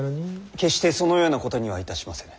決してそのようなことにはいたしませぬ。